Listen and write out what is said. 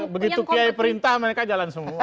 begitu kiai perintah mereka jalan semua